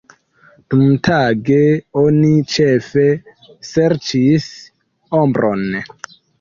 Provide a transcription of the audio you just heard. Dumtage oni ĉefe serĉis ombron.